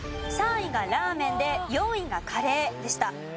３位がラーメンで４位がカレーでした。